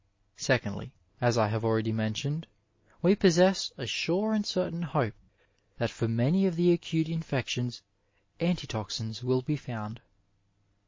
Secondly, as I have already mentioned, we possess a sure and certain hope that for many of the acute infec tions antitoxins will be found.